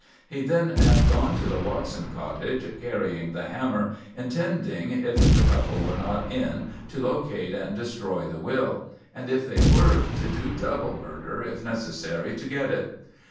He then had gone to the Watson cottage, carrying the hammer, intending if the couple were not in to locate and destroy the will; and if they were to do double murder if necessary to get it.